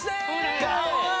かわいい。